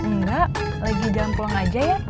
enggak lagi jalan pulang aja ya